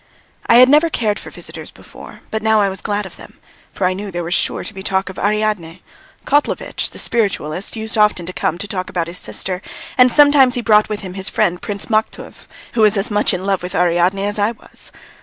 I had never cared for visitors before, but now I was glad of them, for I knew there was sure to be talk of Ariadne. Kotlovitch, the spiritualist, used often to come to talk about his sister, and sometimes he brought with him his friend Prince Maktuev, who was as much in love with Ariadne as I was.